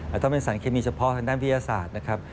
ต้องเป็นสารเคมีเฉพาะทางด้านวิทยาศาสตร์นะครับ